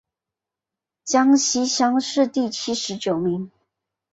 江西乡试第七十九名。